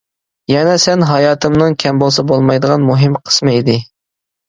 يەنە سەن ھاياتىمنىڭ كەم بولسا بولمايدىغان مۇھىم قىسمى ئىدى.